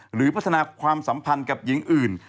หรือพัฒนาความสัมพันธ์กับหญิงอื่น